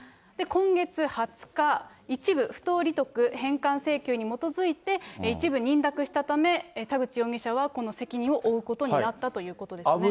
今月２０日、一部、不当利得返還請求に基づいて、一部認諾したため、田口容疑者はこの責任を負うことになったということですね。